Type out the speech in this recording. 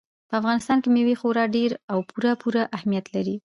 په افغانستان کې مېوې خورا ډېر او پوره پوره اهمیت لري.